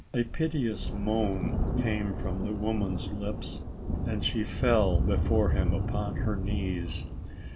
A piteous moan came from the woman's lips and she fell before him, upon her knees.